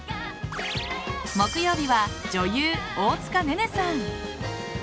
木曜日は女優・大塚寧々さん。